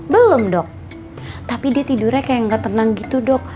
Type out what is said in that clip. belum dok tapi dia tidurnya kayak nggak tenang gitu dok